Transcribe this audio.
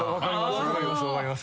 分かります。